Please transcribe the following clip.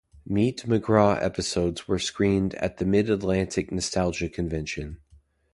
"Meet McGraw" episodes were screened at the Mid-Atlantic Nostalgia Convention.